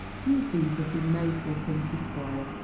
You neem to have been made for a country squire.